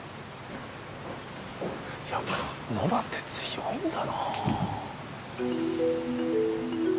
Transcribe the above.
やっぱ野良って強いんだなぁ。